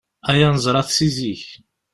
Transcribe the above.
Aya neẓra-t si zik.